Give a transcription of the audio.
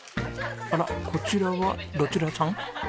あらこちらはどちらさん？